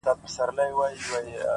دغه انسان بېشرفي په شرافت کوي؛